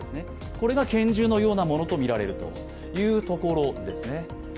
これが拳銃のようなものとみられるということです。